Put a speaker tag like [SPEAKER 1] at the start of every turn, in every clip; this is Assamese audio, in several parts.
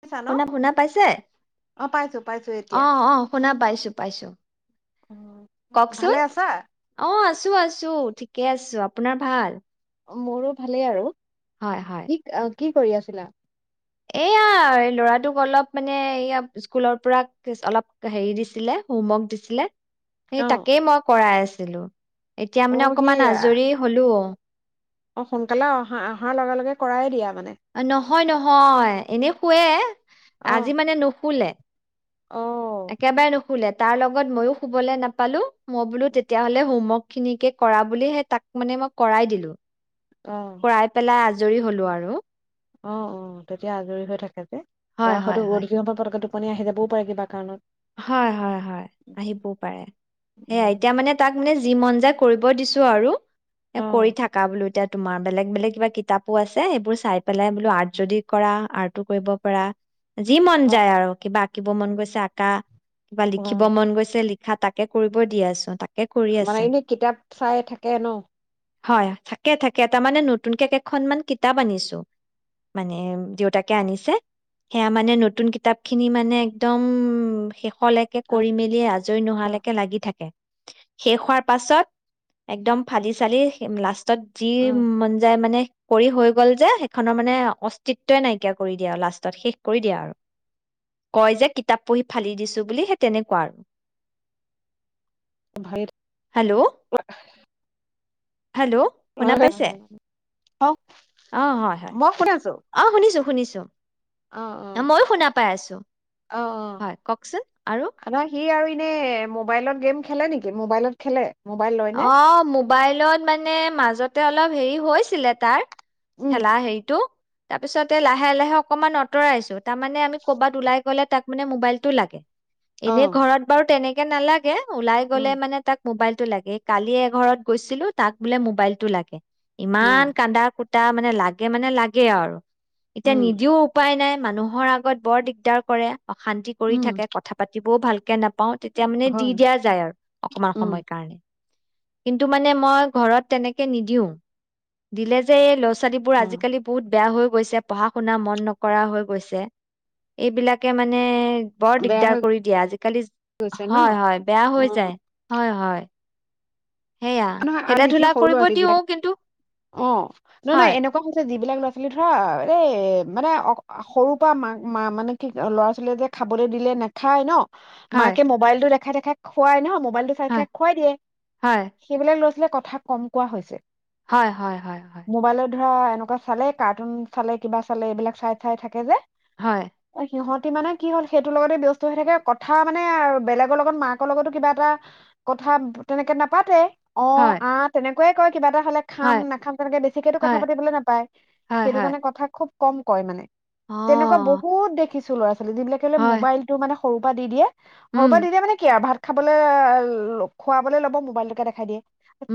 [SPEAKER 1] পাইছা ন
[SPEAKER 2] শুনা, শুনা পাইছে?
[SPEAKER 1] অ পাইছো পাইছো এতিয়া
[SPEAKER 2] অ', অ', শুনা পাইছোঁ, পাইছোঁ।
[SPEAKER 1] অ
[SPEAKER 2] কওকচোন।
[SPEAKER 1] ভালে আছা
[SPEAKER 2] অ', আছ আছোঁ, আছোঁ। ঠিকে আছোঁ। আপোনাৰ ভাল?
[SPEAKER 1] মোৰো ভালেই আৰু।
[SPEAKER 2] হয়, হয়।
[SPEAKER 1] কি কি কৰি আছিলা?
[SPEAKER 2] এয়া ল'ৰাটোক অলপ মানে এইয়া স্কুলৰ পৰা অলপ হেৰি দিছিলে, হোমৱৰ্ক দিছিলে।
[SPEAKER 1] অ
[SPEAKER 2] এই তাকেই মই কৰাই আছোঁ। [unintelligible] এতিয়া
[SPEAKER 1] অ
[SPEAKER 2] মানে
[SPEAKER 1] সি
[SPEAKER 2] অকমান আজৰি হ'লোঁ।
[SPEAKER 1] অ', সোনকালে অহা অহাৰ লগে লগে কৰায়ে দিয়া। মানে
[SPEAKER 2] নহয়, নহয় এনে শুৱে। আজি মানে নুশুলে।
[SPEAKER 1] অহ।
[SPEAKER 2] শুলে তাৰ লগত মইো শুবলৈ নাপালো মই বোলো তেতিয়া হ'লে হোমৱৰ্ক খিনিকে কৰা বুলিহে তাক মানে মই কৰাই দিলোঁ।
[SPEAKER 1] অ
[SPEAKER 2] কৰাই পেলাই আজি আজৰি হ'লো আৰু।
[SPEAKER 1] অ', অ', তেতিয়া আজৰি হৈ থাকে।
[SPEAKER 2] হয়
[SPEAKER 1] ত
[SPEAKER 2] হয়
[SPEAKER 1] হয়তো
[SPEAKER 2] হয়।
[SPEAKER 1] গ সমকটো আপুনি আহি যাবও পাৰে কিবা কাৰণত।
[SPEAKER 2] হয় হয় হয় আহিবও পাৰে সেয়া এতিয়া মানে তাক মানে যি মন যায় কৰিব দিছো আৰু। এ
[SPEAKER 1] অ
[SPEAKER 2] কৰি থাকা বোলো এতিয়া। তোমাৰ বেলেগ বেলেগ কিবা কিতাপো আছে সবোৰ চাই পেলাই বোলো আৰ্ট যদি কৰা আৰ্টো কৰিব পাৰা। যি মন
[SPEAKER 1] অ
[SPEAKER 2] যায় আৰু কিবা থাকিব মন গৈছে আ কা কিবা লিখিব
[SPEAKER 1] অ
[SPEAKER 2] মন গৈছে লি তাকে কৰিব দিয়া আছো তাক।
[SPEAKER 1] মানে এনেই কিতাপ চাই থাকে ন'।
[SPEAKER 2] হয় থাকে থাকে এটা মানে নতুনকে কেইখন মান কিতাপ আনিছো মানে দেউতাকে আনিছে সেয়া মানে নতুন কিতাপ খিনি মানে একদম ম শেষলৈকে কৰি মেলি আজি আজৰি
[SPEAKER 1] অ
[SPEAKER 2] নোহালৈকে লাগি থাকে শেষ হোৱাৰ পাছত একদম ফালি চালি লাষ্ট তত যি
[SPEAKER 1] অ
[SPEAKER 2] মন যায় মানে কৰি হৈ গ'ল যে সেইখনৰ মানে অস্তিত্বই নাইকিয়া কৰি দিয়ে আৰু লাষ্টত শেষ কৰি দিয়া আৰু কয় যে কিতাপ পঢ়ি ফালি দিছো বুলি সেই তেনেকুৱা আৰু।
[SPEAKER 1] ভালে
[SPEAKER 2] হেল্ল'। হেল্ল' শুনা
[SPEAKER 1] অ'
[SPEAKER 2] পাইছে
[SPEAKER 1] অ'
[SPEAKER 2] অ হয় হয়
[SPEAKER 1] মই কোনে
[SPEAKER 2] অ' শুনিছো শুনিছো ছ
[SPEAKER 1] অ' অ' অ'
[SPEAKER 2] হয় কওকচোন আৰু
[SPEAKER 1] অ' না সেই আৰু এনে মোবাইলত গেম খেলে নেকি মোবাইলত খেলে মোবাইল লয় নে?
[SPEAKER 2] অ' মোবাইলত মানে মাজতে অলপ হেৰি হৈছিলে তাৰ
[SPEAKER 1] উম
[SPEAKER 2] খেলা হেইৰিটো তাৰ পিছতে লাহে লাহে অকনমান আঁতৰাইছো তাৰ মানে আমি ক'বাত ওলাই গলে তাক মানে মোবাইলতটো লাগে
[SPEAKER 1] অ
[SPEAKER 2] এনেই ঘৰত বাৰু তেনেকে এ নালাগে সেয়ে ওলাই গ'লে
[SPEAKER 1] উম
[SPEAKER 2] মানে তাক মোবাইলটো লাগেই কালি এঘৰত গৈছিলো তাক বোলে মোবাইলটো লাগে
[SPEAKER 1] অ
[SPEAKER 2] ইমান কান্দা কু এতিয়া মানে লাগে মানে লাগে আৰু এতিয়া
[SPEAKER 1] উম
[SPEAKER 2] নিদিও উপায় নাই মানুহৰ আগত বৰ দিগদাৰ কৰে অশান্তি কৰি
[SPEAKER 1] উম
[SPEAKER 2] থাকে কথা পাতি বহুত ভালকে নাপাওঁ এতিয়া মানে দি
[SPEAKER 1] হয়
[SPEAKER 2] দিয়া যায় আৰু অকমান
[SPEAKER 1] উম
[SPEAKER 2] সময় কাৰণে কিন্তু মানে মই ঘৰত তেনেকে নিদিও দিলে যে এই ল' লৰা ছোৱালীবোৰ
[SPEAKER 1] অ
[SPEAKER 2] আজিকালি বহুত বেয়া হৈ গৈছে পঢ়া শুনা মন নক হৈ গৈছে এইবিলাকে মানে বৰ
[SPEAKER 1] বেয়া
[SPEAKER 2] দিগদাৰ
[SPEAKER 1] হৈ
[SPEAKER 2] কৰি দিয়ে আজিকালি
[SPEAKER 1] গৈছে ন
[SPEAKER 2] হয় হয় বেয়া
[SPEAKER 1] অ
[SPEAKER 2] হৈ যায় হয় হয় [inaudible] সেয়া
[SPEAKER 1] নহয় আৰু
[SPEAKER 2] খেলা
[SPEAKER 1] দেখিলে
[SPEAKER 2] ধূলা
[SPEAKER 1] সৰু
[SPEAKER 2] কৰিব
[SPEAKER 1] ল'ৰা ছোৱালী
[SPEAKER 2] দিও
[SPEAKER 1] যিলাক
[SPEAKER 2] কিন্তু
[SPEAKER 1] অঁ নহয় নহয়
[SPEAKER 2] হয়
[SPEAKER 1] এনেকুৱা হৈছে যিবিলাক ল'ৰা ছোৱালী ধৰা এই মানে সৰুৰ পৰা মাক মা মানে কি ল'ৰা ছোৱালীয়ে যে খাবলৈ দিলে নাখায় ন
[SPEAKER 2] হয়
[SPEAKER 1] মাকে মোবাইলতো দেখাই থাকে তাক খোৱাই ন খুৱাই
[SPEAKER 2] হয়
[SPEAKER 1] দিয়
[SPEAKER 2] হয়
[SPEAKER 1] এইবিলাক ল'ৰা ছোৱালীয়ে কথা কম কোৱা হৈছে
[SPEAKER 2] হয় হয় হয়
[SPEAKER 1] মোবাইলত ধৰা এনেকুৱা চালে কাৰ্টুন চালে কিবা চালে এইবিলাক চাই চাই থাকে যে
[SPEAKER 2] হয়
[SPEAKER 1] অঁ সিহঁত মানে কি হ'ল সেইটোৰ লগতে ব্যস্ত হৈ থাকে কথা মানে বেলেগৰ লগত মাকৰ লগতো কিবা এটা কথা তেনেকে নেপা কতে অঁ
[SPEAKER 2] হয়
[SPEAKER 1] আঁ তেনেকে ক ক কিবা এটা হ'লে খাম
[SPEAKER 2] হয়
[SPEAKER 1] নাখাম তেনেকে বেছিকেতো কথা
[SPEAKER 2] হয়
[SPEAKER 1] পাতিবলে নাপায়
[SPEAKER 2] হয়
[SPEAKER 1] সেইটো
[SPEAKER 2] হয়
[SPEAKER 1] কাৰণে কথা খুব কম কয় মানে
[SPEAKER 2] অ
[SPEAKER 1] তেনেকুৱা বহুত দেখিছো চ ছীলাকেলে
[SPEAKER 2] হয়
[SPEAKER 1] মোবাইলটো মানে সৰুৰ পৰা দি দিয়ে সৰু
[SPEAKER 2] উম
[SPEAKER 1] পৰা দিলে মানে কি আৰু ভাত খাবলৈ খুৱাবলৈ ল'ব মোবাইল দেখাইিয়ে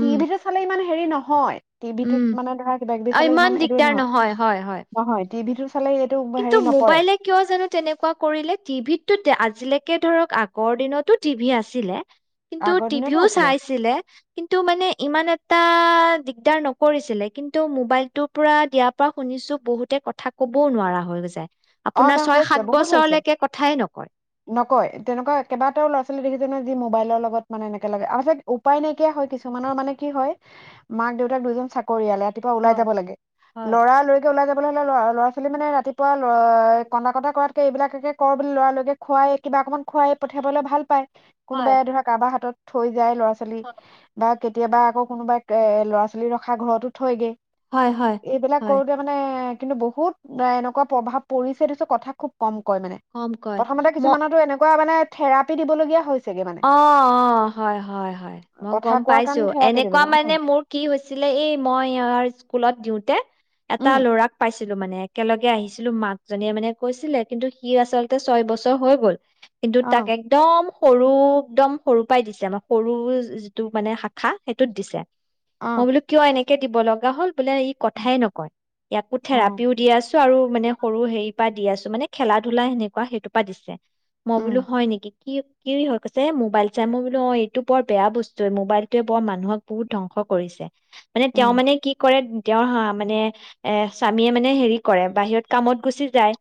[SPEAKER 1] তি ভি চালে মানে হেৰি নহয় টিভি টোত
[SPEAKER 2] উম
[SPEAKER 1] মানে ধৰা বেগ
[SPEAKER 2] অ
[SPEAKER 1] বিচালে ইমান এইদৰি
[SPEAKER 2] দিগদাৰ
[SPEAKER 1] নহয়
[SPEAKER 2] হয় হয়
[SPEAKER 1] নহয় টিভি
[SPEAKER 2] কিন্তু মোবাইলে কিয় জানো তেনেকুৱা কৰিলে টিভিত আজিলৈকে এতিয়া ধৰক আগৰ দিনতো টিভি আছিলে কিন্তু
[SPEAKER 1] আগৰ দিনতো
[SPEAKER 2] টিভিও
[SPEAKER 1] আছিলে
[SPEAKER 2] চাইছিলে কিন্তু মানে ইমান এটা এটা দিগদাৰ নকৰিছিলে কিন্তু মোবাইল ৰ পৰা দিয়াৰ পৰা শুনিছো বহুতে কথা কবও নোৱাৰা হয় হৈ গৈছে।
[SPEAKER 1] অ না হৈছে বহুত হৈছে
[SPEAKER 2] কথাই নকয়
[SPEAKER 1] নকয় তেনেকুৱা কেইবাটাও ল'ৰা ছোৱালী দেখিছেো মোবাইলৰ লগত মানে এনেকে লাগে উপায় নাইকিয়া হয় কিছুমানৰ মানে কি হয় মাক দেউতাক দুজন চাকৰিয়ালে ৰাতিপা ওলাই
[SPEAKER 2] হয়
[SPEAKER 1] যাব লাগে
[SPEAKER 2] হয়
[SPEAKER 1] লৰা লৰিকে ওলাই যাব লেৰা ল'ৰা ছোৱাল মে ৰাতিপুৱা অ কন্দনা কটা কৰাতকে এইবিলাকে কৰ বুলি লৰালকে খুৱাই কিবা অকনমান খোৱাই পঠিয়াবলৈ ভাল পায় কোনোবাই
[SPEAKER 2] হয়
[SPEAKER 1] ধৰক কাৰোবাৰ হাতত থৈ যায় লৰা চালি ব কেতিয়াবা আকৌ কোনোবাই এ ল'ৰা ছোৱালী ৰখা ঘৰতো থৈগৈ
[SPEAKER 2] হয় হয় হয়
[SPEAKER 1] এইবিলাক
[SPEAKER 2] হয়
[SPEAKER 1] কৰোতে মানে কিন্তু বহুত এনেকুৱা প্ৰভাৱ পৰিছেটো কথা খুব কম কয় মানে
[SPEAKER 2] কম কয়
[SPEAKER 1] প্ৰথমতে
[SPEAKER 2] ম
[SPEAKER 1] কিছুমানতো এনেকুৱা মানে থেৰাপি দিবলগীয়া হৈছে
[SPEAKER 2] অ অ হয় হয় হয় মই
[SPEAKER 1] কথা
[SPEAKER 2] গম
[SPEAKER 1] কোৱাৰ কাৰণে
[SPEAKER 2] পাইছো
[SPEAKER 1] থেৰাপি
[SPEAKER 2] এনেকুৱা
[SPEAKER 1] দিবলৈ উম
[SPEAKER 2] মানে মোৰ কি হৈছিলে এই মই ইাৰ স্কুলত দিওঁতে এটা
[SPEAKER 1] উম
[SPEAKER 2] ল'ৰাক পাইছে ছিলো মানে একেলগে আহিছিলো মাক জনীয়ে মানে কৈছিলে কিন্তু সি আচল্ততে ছয় বছৰ হৈ গ'ল কিন্তু
[SPEAKER 1] অ
[SPEAKER 2] তাক একদম সৰু একদম সৰু পৰাই দিছে আম সৰু যিটো মানে শাখা সেইটোত দিছে
[SPEAKER 1] অ
[SPEAKER 2] মই বোলো কিয় এ নেকি দিব লগা হ'ল বোলে ই কথাই নকয় ইয়াকো
[SPEAKER 1] অ
[SPEAKER 2] থেৰাপিও দিয়া আছো আৰু মানে সৰু হেৰ পৰা দি আছো মানে খেলা ধূলা সেনেকুৱা সেইটোৰ পৰা দিছে মই
[SPEAKER 1] উম
[SPEAKER 2] বোলো হয় নেকি কি কি হয় কৈছে মোবাইল চাই মই বোলো অ এইটো বৰ বেয়া বস্তুৱ মোবাইলটোৱে বৰ মানুহক বহুত ধ্বংস কৰিছে মানে
[SPEAKER 1] উম,
[SPEAKER 2] তেওঁ মানে কি কৰে তেওঁৰ হা মানে এ স্বামীয়ে মানে হেৰি কৰে বাহিৰত কামত গুচি যায়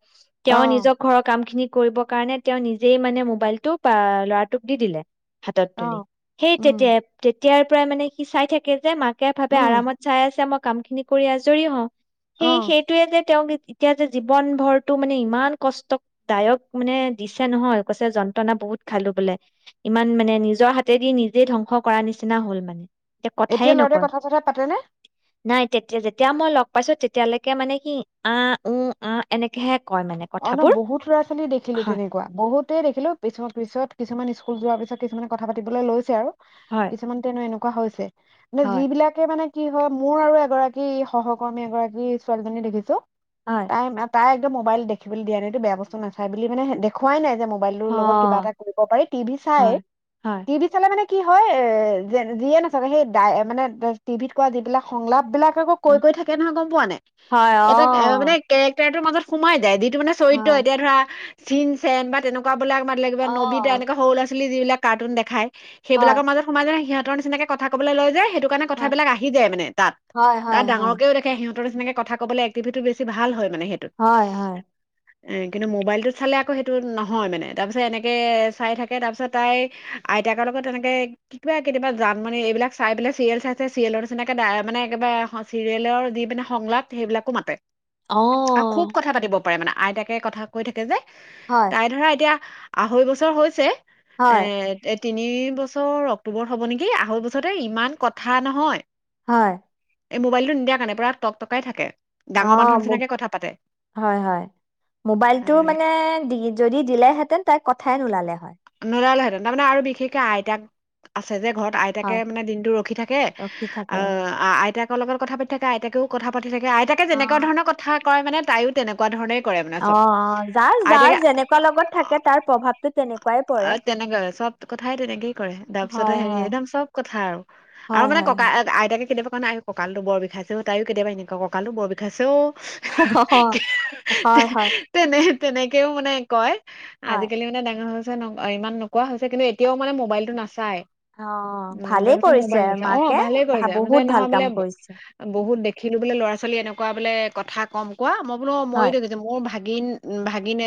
[SPEAKER 2] তেওঁ
[SPEAKER 1] অ',
[SPEAKER 2] নিজৰ ঘৰৰ কাম খিনিত কৰিব কাৰণে তেওঁ নিজেই মানে মোবাইলটো ল'ৰাটোক দি দিলে হাতত তুলি
[SPEAKER 1] অ',
[SPEAKER 2] সেই
[SPEAKER 1] উম,
[SPEAKER 2] তেতিয়া তেতিয়াৰ পৰাই মানে সি চাই থাকে যে মাক ে ভাবে
[SPEAKER 1] উম,
[SPEAKER 2] আৰামত চাই আছে মোক কাম খিনি কৰি আজৰি হ সেই
[SPEAKER 1] অ',
[SPEAKER 2] সেইটোয়ে যে তেওঁ গ এতিয়া যে জীৱন ভৰটো মানে ইমান কষ্টদায়ক মানে দিছে নহয় কৈছে যন্ত্ৰণা বহুত খালো বোলে ইমান মানে নিজৰ হাতেদি নিজে ধ্বংস কৰা নিচিনা হল মানে কথায়ে
[SPEAKER 1] এতিয়া লৰাদ
[SPEAKER 2] নকয়
[SPEAKER 1] কথা চথা পাতেনে
[SPEAKER 2] নাই তেতিয়া যেতিয়া মই লগ পাইছো তেতিয়ালৈকে মানে কি আহ উ আহ এনেকেহে কয় মানে
[SPEAKER 1] অ ন
[SPEAKER 2] কথাবোৰ
[SPEAKER 1] বহুত ল'ৰা ছোৱালী দেখিলো
[SPEAKER 2] হয়
[SPEAKER 1] তেনেকুৱা বহুতে দেখিলো পিছ পিছত কিছুমান স্কুল যোৱাৰ পিছত কিছুমানে কথা পাতিবলৈ লৈছে আৰু
[SPEAKER 2] হয়
[SPEAKER 1] কিছুমান তেনো এনেকুৱা কোৱা হৈছে
[SPEAKER 2] হয়
[SPEAKER 1] যিবিলাকে মানে কি হয় মোৰ আৰু এগৰাকী সহকৰ্মী এগৰাকী ছোৱালীজনী দেখিছো
[SPEAKER 2] হয়
[SPEAKER 1] টাইম ন তাই মোবাইল দেখে দেখিব দিয়া নাইত বেয়াস্তু নাাই বুলি মানে দেখওুৱাই নাই মতি
[SPEAKER 2] হয় হয় হয়
[SPEAKER 1] ম কি হয় এ যে যিয়ে নাচাগে সেই মানে টিভিত কোৱা যিবিলাক সংলাপ বিলাক কৈ
[SPEAKER 2] উম,
[SPEAKER 1] কৈ থাকে নহয় গম পোৱা নাই
[SPEAKER 2] হয় অ
[SPEAKER 1] এটা মানে কে্ মাজত সোমাই যায় দিপ। এইটো মানে চৰিত্ৰ
[SPEAKER 2] হয়
[SPEAKER 1] এতিয়া ধৰা চিনচেন বা তেনেকুৱা। বোলে মাৰ লাগিব নবিতা, এনেকুৱা সৰু লৰা ছোৱালীৰ। যি বিলাক কাৰ্টুন দেখায়। সেইবিলাকৰ মাজত মাই নাই সিহ হেঁতৰ নিচিনাকে কথা কব লৈ যে সেইটো। সেইটো কাৰণে কথা বিলাক আহি যায় মানে তাত, তাত ডাঙৰকেও দেখে সিহঁত। তোৰ নিছিনা কবলৈ এক্টিভিটি বেছি ভাল হয়। মানে সেইটোত। এ কিন্তু মোবাইলটোত চালে আকৌ সেইটো নহয় মানে তাৰ পিছত এনেকে চাই থাকে তাৰপিছত তাই আইতাকৰ লগত এনেকে কিবা কেতিাবা জান মানি এইবিলাক চাই পেলাই চিৰিয়েল চাইছে চিৰিয়েলৰ নিচিনাকে মানে একেবাৰে চিৰিয়েলৰ যি মানে সংলাপ সেইবিলাকো মাতে আৰু খুব কথা পাতিব। পাৰে মানে আইতাকে কথা কৈ থাকে যে। উঁহ তাই ধৰা এতিয়া। আঢ়ৈ বছৰ হৈছে। এ এ এতিয়া। তিনি বছৰ অক্টোব হ'ব, নেকি আঢ়ৈ বছৰতে ইমান কথা নহয়।
[SPEAKER 2] হয়।
[SPEAKER 1] এই মোবাইলটো নিদিয়াৰ কাৰণে পোৰা তক তকাই থাকে। ডাঙৰ
[SPEAKER 2] অঁ
[SPEAKER 1] মানুহৰ
[SPEAKER 2] বহুত
[SPEAKER 1] নিচিনাকে কথা পাতে
[SPEAKER 2] হয় হয়। মোবাইল টো
[SPEAKER 1] এ
[SPEAKER 2] মানে দি যদি দিলে। হয় হেঁতেন তাই কথাই নোলালেই হয়।
[SPEAKER 1] হেৰালে হেঁতেন তাৰ মানে আৰু বিশেষকে আইতাক আছে যে ঘৰত। আইতাকে
[SPEAKER 2] হয়,
[SPEAKER 1] মানে দিনতটো ৰখি থাকে
[SPEAKER 2] ৰখি
[SPEAKER 1] আ
[SPEAKER 2] থাকে।
[SPEAKER 1] আ আইতাক। তোমাৰ লগত থকা পাতি থাকে, আইতকও কথা পাতি। সুধি থাকে আইতাকে যেনেকুৱা
[SPEAKER 2] অ',
[SPEAKER 1] ধৰণৰ কথা। কয় মানে তাইও তেনেকুৱা ধৰণে।
[SPEAKER 2] অ অ যাৰ যাৰ যেনেকুৱা লগত থাকে তাৰ প্ৰভাৱতটো তেনেকুৱাই
[SPEAKER 1] অ
[SPEAKER 2] পৰে।
[SPEAKER 1] তেনেকাই চব কথাই তেনেকেই কৰে। তাৰ পিছতে
[SPEAKER 2] হয়,
[SPEAKER 1] হেৰি,
[SPEAKER 2] হয়,
[SPEAKER 1] একদম চব কথা আৰু আৰু
[SPEAKER 2] হয়,
[SPEAKER 1] মানে
[SPEAKER 2] হয়,
[SPEAKER 1] ককা
[SPEAKER 2] হয়।
[SPEAKER 1] আইতাক। তাকে কেতিয়া নাই এই ককালটো বৰ বিষাইছো তাইো কেতিয়াবা এনেুৱ ককালটো বৰ বিষাইছ উঁহ হু হিঃ হুই
[SPEAKER 2] হয়, হয়,
[SPEAKER 1] তেনে তেনেকেও মানে কয়। আজি
[SPEAKER 2] হয়।
[SPEAKER 1] কালি মানে ডাঙৰ হৈ গৈছো। জানো ইমান নোকোৱা হৈছে, কিন্তু এতিয়াও মানে মোবাইলটো নাচায়।
[SPEAKER 2] অ',
[SPEAKER 1] ওম তাৰ
[SPEAKER 2] ভালেই
[SPEAKER 1] পিছত
[SPEAKER 2] কৰিছে
[SPEAKER 1] মবাইল দিছে। অ
[SPEAKER 2] মাকে,
[SPEAKER 1] ভালে
[SPEAKER 2] ভা-
[SPEAKER 1] কৰিছে। পিছে
[SPEAKER 2] বহুত ভাল
[SPEAKER 1] নহয়
[SPEAKER 2] কাম
[SPEAKER 1] বোলে
[SPEAKER 2] কৰিছে।
[SPEAKER 1] বহুত দেখিলো বোলে ল'ৰা ছোৱালী এনেকুৱা। বোলে। কথা কম কোৱা মই ো ময়ো
[SPEAKER 2] হয়,
[SPEAKER 1] দেখিছে মোৰ ভাগ ভাগিন ভাগিন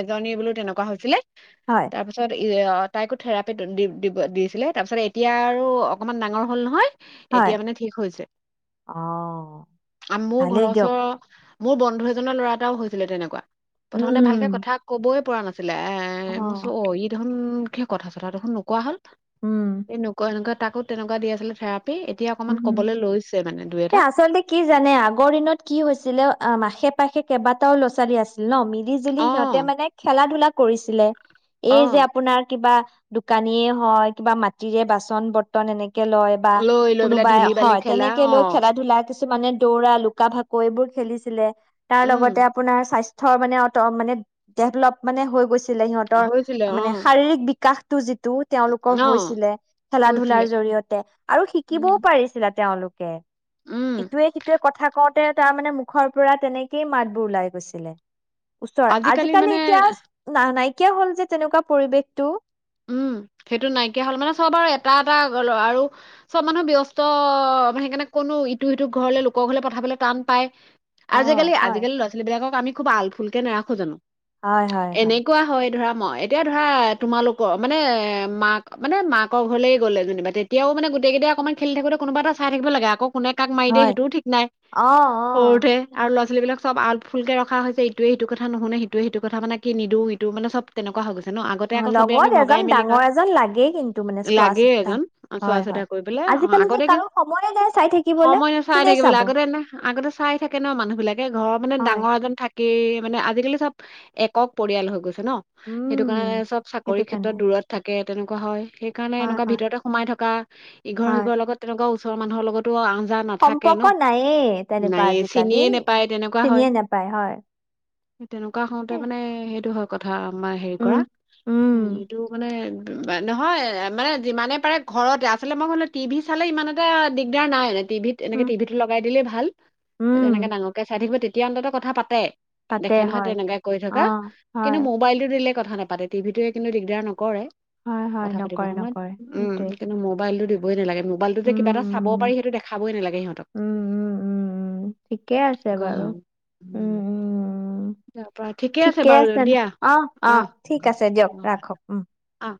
[SPEAKER 1] এজনী বোলো তেনেকুৱা হৈছিলে
[SPEAKER 2] হয়,
[SPEAKER 1] তাৰ পাছত তাইকো থেৰাপি দিব দিছিলে তাৰ পিছত এতিয়া আৰু অকনমান ডাঙৰ হ'ল নহয়
[SPEAKER 2] হয়।
[SPEAKER 1] এতিয়া মানে ঠিক হৈছে
[SPEAKER 2] অ'।
[SPEAKER 1] আৰু মোৰ ঘৰৰ
[SPEAKER 2] ভালেই দিয়ক
[SPEAKER 1] ওচৰৰ মোৰ বন্ধু এজনৰ ল'ৰা এটাও হৈছিলে তেনেকুৱা প্ৰথমতে
[SPEAKER 2] উম
[SPEAKER 1] ভালকে কথা ক'বই পৰা নাছিল। আছিল এ মই চ অ ই ধৰন কিয়, কথা চথা দেখোন নোকোৱা হ'ল।
[SPEAKER 2] উম
[SPEAKER 1] তন কণ ক তাকো তেনেকুৱা দি আছিলে এতিয়া
[SPEAKER 2] উ
[SPEAKER 1] অকমান কবলৈ লৈছে মানে দুই
[SPEAKER 2] এ
[SPEAKER 1] এটা
[SPEAKER 2] আচলতে কি জানে আগৰ দিনত কি হৈছিলে অ মাখে পাশে কেইবাটাও লৰা ছোৱালী আছিল ন আমি মিলি-জুলি
[SPEAKER 1] অ
[SPEAKER 2] সিহঁতে মানে খেলা ধূলা কৰিছিলে
[SPEAKER 1] অ
[SPEAKER 2] এই যে আপোনাৰ কিবা দোকানীয়ে হয় কিবা মাটিৰে বাচন বৰ্তন এনেকে লয় বা
[SPEAKER 1] লৈ লৈ পেলাই
[SPEAKER 2] কোনোবাই,
[SPEAKER 1] ধূলি বালি
[SPEAKER 2] হ'য়।
[SPEAKER 1] খেলা
[SPEAKER 2] তেনেকে
[SPEAKER 1] অ
[SPEAKER 2] লৈ খেলা ধূলা কিছু মানে দৌৰা লুকা ভাকু এইবোৰ খেলিছিলে তাৰ লগতে
[SPEAKER 1] উম
[SPEAKER 2] আপোনাৰ স্বাস্থ ৰ মানে অ মানে ডভলপ মানে হৈ গৈছে ছিলে সিহঁতৰ
[SPEAKER 1] হৈছিলে অ
[SPEAKER 2] মানে শাৰীৰিক বিকাশ তুজি টু তেওঁলোকৰ
[SPEAKER 1] অ
[SPEAKER 2] হৈছিলে খেলা
[SPEAKER 1] হৈছিলে
[SPEAKER 2] ধলাৰ জৰিয়তে আৰু শিক শিকিবও
[SPEAKER 1] উম
[SPEAKER 2] পাৰিছিলে তেওঁলোকে
[SPEAKER 1] উম
[SPEAKER 2] ইটোৱে সিটয়ে কথা কত তে তাৰ মানে মুখৰ পৰা তেনেকেই মাতবোৰ ওলাই গৈছিলে ওচৰৰত আজিকালি এতিয়া ন নাই কিয় হল যে, তেনেকুৱা পৰিৱেশটো?
[SPEAKER 1] উম, সেইটো নাইকিয়া হ'ল মানে, চব আৰু এটা এটা আৰু চব মানুহ ব্যস্ত সেইকাৰণে, কোনো ইটো সিটো ঘৰলৈ লোকৰ ঘৰলে পঠাবলে টান পায়।
[SPEAKER 2] অ'
[SPEAKER 1] আজিকালি
[SPEAKER 2] হয়।
[SPEAKER 1] আজিকালি ল'ৰা ছালী বিলাকক আমি খুব আল ফুলক নাৰ ৰাখো জানো?
[SPEAKER 2] হয়, হয়,
[SPEAKER 1] এনেকুৱা হয়, ধৰা ম এতিয়া ধৰা তোমালোক মানে মাক মানে মাকৰ ঘৰলে গ'লে যেনিবা তেতিয়াও মানে গোটেইকেইটাই অকণমান খেলি থাকোতে কোনোবা এটা চাই থাকিব লাগে আকৌ কোনে, কাক, মাৰি দিয়ে
[SPEAKER 2] হয়,
[SPEAKER 1] সেইটোও ঠিক নাই
[SPEAKER 2] অ', অ'।
[SPEAKER 1] সৰুতে, আৰ ল'ৰা ছোৱালী বিলাক আলফুলকে ৰখা হৈছে, ইটোৱে সিটো কথা নুশুনে, সিটোৱে সিটো কি নিদিওঁ, ইটো মানে, চব তেনেকুৱা হৈছে। জনো আগতে
[SPEAKER 2] অ'
[SPEAKER 1] আকৌ আ
[SPEAKER 2] লগত
[SPEAKER 1] ভগাই
[SPEAKER 2] এজন
[SPEAKER 1] মেলি ক
[SPEAKER 2] ডাঙৰ এজন লাগেই কিন্তু মানে চোৱা
[SPEAKER 1] লাগেই
[SPEAKER 2] চিতা
[SPEAKER 1] এজন চোৱা
[SPEAKER 2] হয়,
[SPEAKER 1] চিতা
[SPEAKER 2] হয়।
[SPEAKER 1] কৰিবলে অঁ
[SPEAKER 2] আজিকালি যে
[SPEAKER 1] আগতে ক
[SPEAKER 2] কাৰো সময়ে নাই চাই থাকিবলে
[SPEAKER 1] সময় ন চাই
[SPEAKER 2] কোনে
[SPEAKER 1] থাকিব
[SPEAKER 2] চাব
[SPEAKER 1] আগতে আগতে চাই থাকে ন মানুহ বিলাকে ঘৰৰ মানে
[SPEAKER 2] হয়,
[SPEAKER 1] ডাঙৰ এজন থাকে। এই মানে, আজিকালি চব একক পৰিয়াল হৈ গৈছে। ন' সেইটো
[SPEAKER 2] উম।
[SPEAKER 1] কাৰণে চব চ চাকৰি
[SPEAKER 2] সেইটো
[SPEAKER 1] ক্ষেত্ৰত
[SPEAKER 2] কাৰণে
[SPEAKER 1] দূৰত থাকে। তেনেকুৱা হয়। সেইকাৰণে,
[SPEAKER 2] হয়,
[SPEAKER 1] এনেকুৱা
[SPEAKER 2] হয়,
[SPEAKER 1] ভিতৰতে সোমাই থকা ইঘৰ
[SPEAKER 2] হয়।
[SPEAKER 1] সিঘৰৰ লগত তেনেকুৱা ওচৰ মানুহৰ লগতো আ
[SPEAKER 2] সম্পৰ্ক নায়েই, তেনেকুৱা আজিকালি,
[SPEAKER 1] চিনিয়ে নোপায় তেনেকুৱা হয়
[SPEAKER 2] চিনিয়ে নাপায় হয়।
[SPEAKER 1] তেনেকুৱা হওঁতে মানে সেইটো হয় কথা আমাৰ হেৰি
[SPEAKER 2] উম,
[SPEAKER 1] কৰা উ
[SPEAKER 2] উম।
[SPEAKER 1] এইটো মানে নহয়। মানে, যিমানে পাৰে ঘৰতে আচলতে মই ভাবিলোঁ টিভি চালে ইমান এটা দিগদাৰ নাই। টিভিত এনেকে
[SPEAKER 2] উম,
[SPEAKER 1] টিভিত লগাই দিলেই ভাল
[SPEAKER 2] উম,
[SPEAKER 1] তেনেকোঙকে চাই থাকিব তে এতি অন্ততঃ কথা পাতে।
[SPEAKER 2] পাতে
[SPEAKER 1] দেখে নহয়
[SPEAKER 2] হয়।
[SPEAKER 1] তেনেকে কৰি
[SPEAKER 2] অ',
[SPEAKER 1] থকা। কিন্তু,
[SPEAKER 2] হয়,
[SPEAKER 1] মোবাইলতটো দিলে কথা নাপাতে। টিভিটোৱে কিন্তু দিগদাৰ নকৰে।
[SPEAKER 2] হয়, হয়,
[SPEAKER 1] কথা পাতিব
[SPEAKER 2] নকৰে
[SPEAKER 1] সময়ত
[SPEAKER 2] নকৰে
[SPEAKER 1] উম,
[SPEAKER 2] সেইটোৱে।
[SPEAKER 1] কিন্তু মোবাইলটো দিব বৈ নালাগে। মোবাইলটো যে
[SPEAKER 2] উম,
[SPEAKER 1] কিবা এটা চাব পাৰি
[SPEAKER 2] উম,
[SPEAKER 1] সেইটো দেখাবই নালাগে সিহঁতক।
[SPEAKER 2] উম, উম, উম, উম, ঠিকে আছে বাৰু। উম, উম, উম।
[SPEAKER 1] তাৰ পৰা, ঠিকে আছে বাৰু দিয়া,
[SPEAKER 2] ঠিক
[SPEAKER 1] অ'!
[SPEAKER 2] আছে দিয়ক ৰাখক উ।
[SPEAKER 1] অঁ